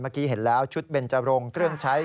เมื่อกี้เห็นแล้วชุดเบนจรงเครื่องใช้